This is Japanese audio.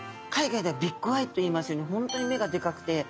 海外ではビッグアイといいますように本当に目がでかくて。